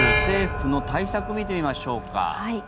政府の対策見てみましょうか。